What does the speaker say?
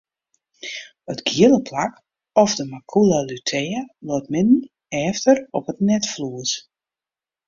It giele plak of de macula lutea leit midden efter op it netflues.